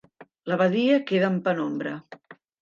La badia queda en la penombra.